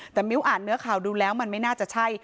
แต่มิ้วอ่านเนื้อข่าวดูแล้วมันไม่น่าจะใช่